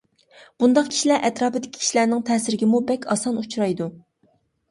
بۇنداق كىشىلەر ئەتراپىدىكى كىشىلەرنىڭ تەسىرىگىمۇ بەك ئاسان ئۇچرايدۇ.